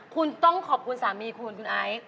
คุณต้องขอบคุณสามีคุณคุณไอซ์